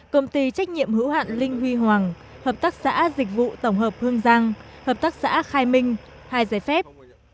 công ty trách nhiệm hữu hạn linh huy hoàng hợp tác xã dịch vụ tổng hợp hương giang hợp tác xã khai minh hai giấy phép